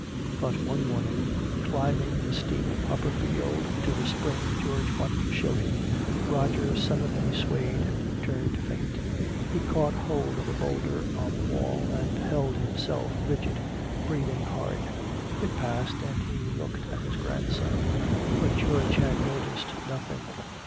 But one morning, climbing the steep upper field to a spring George wanted to show him, Roger suddenly swayed, turned faint. He caught hold of a boulder on the wall and held himself rigid, breathing hard. It passed, and he looked at his grandson. But George had noticed nothing.